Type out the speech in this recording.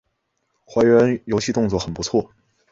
还原游戏动作很不错